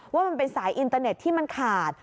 ว่ามันเป็นสายอินเตอร์เน็ตที่มันขาด